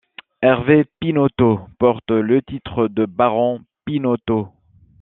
Hervé Pinoteau porte le titre de baron Pinoteau.